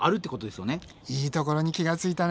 いいところに気がついたね。